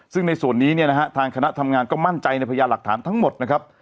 ซึ่งในส่วนนี้เนี่ยนะฮะทางคณะทำงานก็มั่นใจในพยานหลักฐานทั้งหมดนะครับ